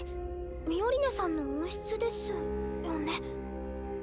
ミオリネさんの温室ですよね。